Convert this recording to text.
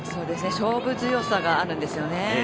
勝負強さがあるんですよね。